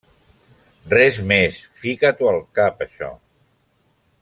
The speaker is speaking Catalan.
Res més. Fica-t’ho al cap, això.